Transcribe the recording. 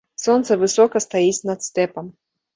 Сонца высока стаіць над стэпам.